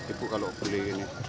ibu kalau belinya